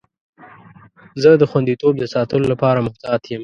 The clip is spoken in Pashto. زه د خوندیتوب د ساتلو لپاره محتاط یم.